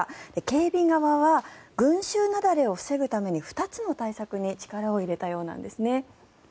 警備側は群衆雪崩を防ぐために２つの対策に力を入れたようなんですね。